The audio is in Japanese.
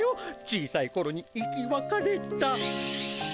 小さいころに生きわかれた。